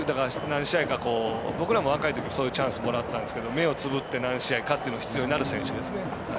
何試合か、僕らも若いときそういうチャンスもらったんですけど目をつむって何試合かっていうのが必要になる選手ですね。